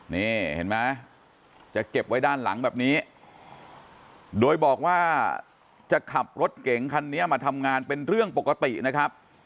นี่เห็นไหมจะเก็บไว้ด้านหลังแบบนี้โดยบอกว่าจะขับรถเก่งคันนี้มาทำงานเป็นเรื่องปกตินะครับ